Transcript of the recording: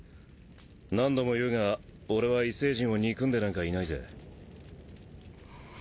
何度も言うが兇楼枩運佑憎んでなんかいないぜ。